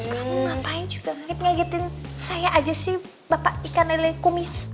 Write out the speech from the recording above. kamu ngapain juga mungkin ngagitin saya aja sih bapak ikan lele kumis